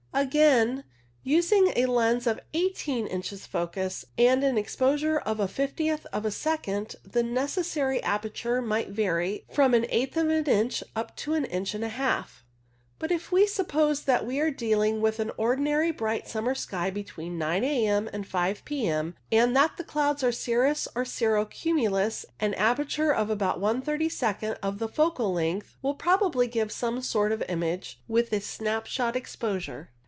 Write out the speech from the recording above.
Again, using a lens of eighteen inches focus and an exposure of a fiftieth of a second, the necessary aperture might vary from an eighth of an inch up to an inch and a half. But if we suppose that we are dealing with an ordinary bright summer sky between 9 a.m. and 5 p.m., and that the clouds are cirrus or cirro cumulus, an aperture of about one thirty second of the focal length will probably give some sort of image with a snap shot exposure.